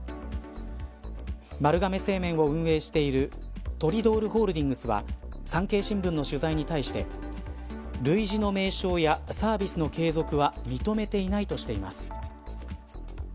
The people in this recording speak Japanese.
丸亀製麺を運営しているトリドールホールディングスは産経新聞の取材に対して類似の名称やサービスの継続は認めていないとしています。